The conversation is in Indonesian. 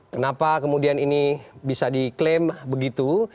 kenapa kemudian ini bisa diklaim begitu